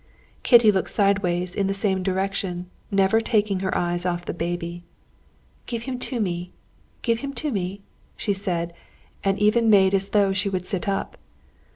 Kitty looked sideways in the same direction, never taking her eyes off the baby. "Give him to me! give him to me!" she said, and even made as though she would sit up.